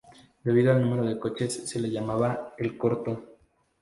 Debido al número de coches, se le llamaba "el Corto".